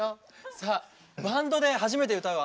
さあバンドで初めて歌うわ。